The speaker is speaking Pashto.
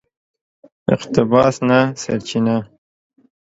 اقتباس نه سرچینه